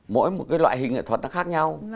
mỗi một cái loại hình nghệ thuật nó khác nhau